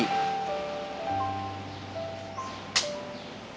kamu mau pergi